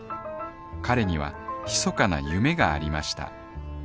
彼には密かな夢がありました